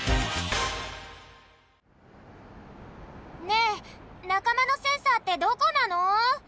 ねえなかまのセンサーってどこなの？